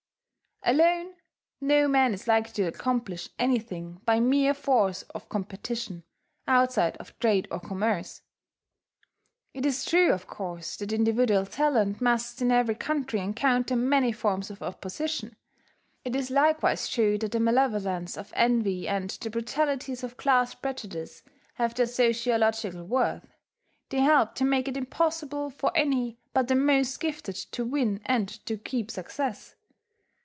Alone, no man is likely to accomplish anything by mere force of competition, outside of trade or commerce.... It is true, of course, that individual talent must in every country encounter many forms of opposition. It is likewise true that the malevolence of envy and the brutalities of class prejudice have their sociological worth: they help to make it impossible for any but the most gifted to win and to keep success.